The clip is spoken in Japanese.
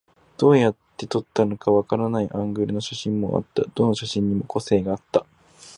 どうやって撮ったのかわからないアングルの写真もあった。どの写真にも個性があった。